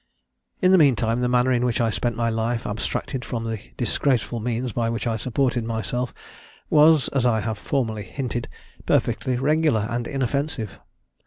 "In the mean time, the manner in which I spent my life, abstracted from the disgraceful means by which I supported myself, was (as I have formerly hinted) perfectly regular and inoffensive.